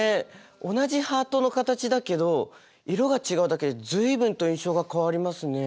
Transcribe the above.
同じハートの形だけど色が違うだけで随分と印象が変わりますね。